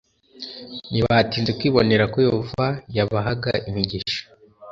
ntibatinze kwibonera ko yehova yabahaga imigisha